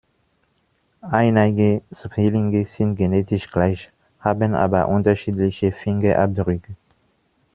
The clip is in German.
Eineiige Zwillinge sind genetisch gleich, haben aber unterschiedliche Fingerabdrücke.